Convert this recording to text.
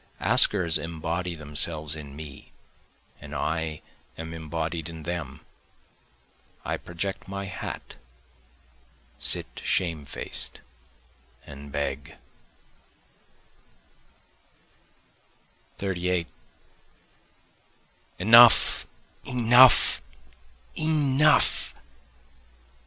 Askers embody themselves in me and I am embodied in them, I project my hat, sit shame faced, and beg. 38 Enough! enough! enough!